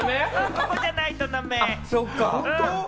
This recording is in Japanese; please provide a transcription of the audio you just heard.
そこじゃないと駄目。